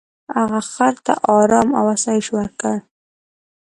هغه خر ته ارام او آسایش ورکړ.